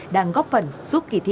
đang góp phần giúp kỳ thi